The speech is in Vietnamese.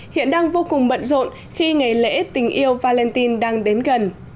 hiện đang vô cùng bận rộn khi ngày lễ tình yêu valentin đang đến gần